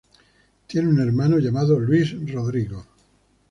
Tiene un hermano llamado Luis Rodrigo.